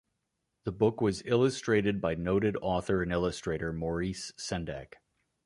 The book was illustrated by noted author and illustrator Maurice Sendak.